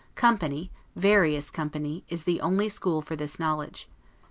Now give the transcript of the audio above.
Company, various company, is the only school for this knowledge.